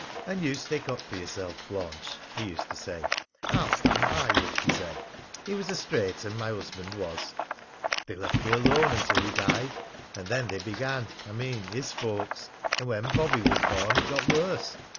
'And you stick up for yourself, Blanche,' he used to say. 'I'll stand by you,' he said. He was a straight 'un, my husband was. "They left me alone until he died. And then they began I mean his folks. And when Bobby was born it got worse.